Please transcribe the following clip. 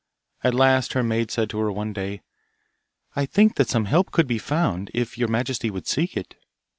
At last her maid said to her one day, 'I think that some help could be found, if your majesty would seek it.